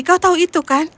kau tahu itu kan